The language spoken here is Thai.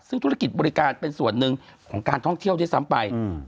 ซึ่งธุรกิจบริการเป็นส่วนหนึ่งของการท่องเที่ยวด้วยซ้ำไป